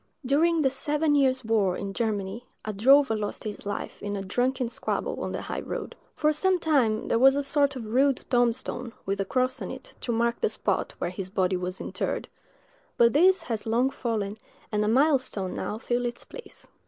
During the seven years' war in Germany, a drover lost his life in a drunken squabble on the high road. For some time there was a sort of rude tombstone, with a cross on it, to mark the spot where his body was interred; but this has long fallen, and a milestone now fills its place.